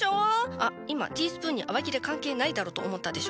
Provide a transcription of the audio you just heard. あっ今ティースプーンに洗剤いらねえだろと思ったでしょ。